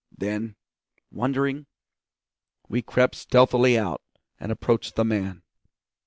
Then, wondering, we crept stealthily out, and approached the man.